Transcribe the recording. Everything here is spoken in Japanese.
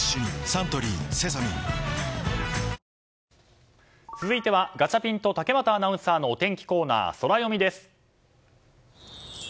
サントリー「セサミン」続いては、ガチャピンと竹俣アナウンサーのお天気コーナー、ソラよみです。